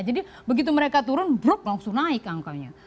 jadi begitu mereka turun langsung naik angkanya